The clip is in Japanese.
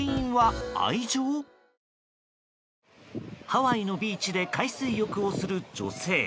ハワイのビーチで海水浴をする女性。